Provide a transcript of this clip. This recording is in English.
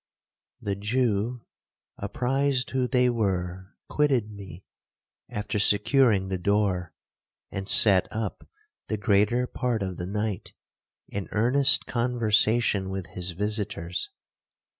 'The Jew, apprized who they were, quitted me, after securing the door, and sat up the greater part of the night, in earnest conversation with his visitors.